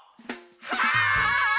はい！